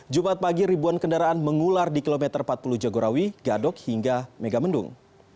jumat pagi ribuan kendaraan mengular di kilometer empat puluh jagorawi gadok hingga megamendung